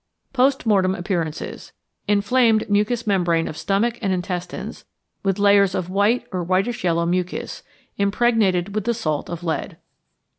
Post Mortem Appearances. Inflamed mucous membrane of stomach and intestines, with layers of white or whitish yellow mucus, impregnated with the salt of lead.